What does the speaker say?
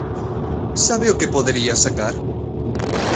¿Sabe o que podería sacar?